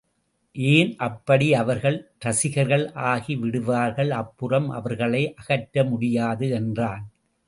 ஏன் அப்படி? அவர்கள் ரசிகர்கள் ஆகிவிடுவார்கள் அப்புறம் அவர்களை அகற்ற முடியாது என்றான்.